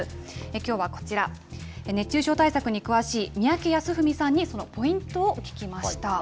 きょうはこちら、熱中症対策に詳しい三宅康史さんにそのポイントを聞きました。